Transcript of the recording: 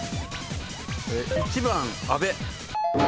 １番阿部。